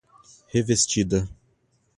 revestida